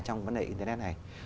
trong vấn đề internet này